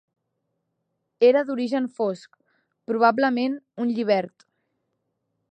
Era d'origen fosc, probablement un llibert.